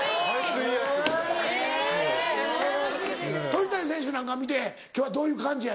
鳥谷選手なんか見て今日はどういう感じやねん。